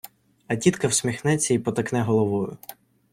А тітка всміхнеться й потакне головою.